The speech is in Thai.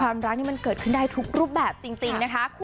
รักนี่มันเกิดขึ้นได้ทุกรูปแบบจริงนะคะ